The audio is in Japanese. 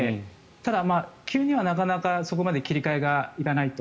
ただ、急にはなかなかそこまで切り替えがいかないと。